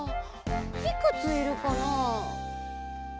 いくついるかな。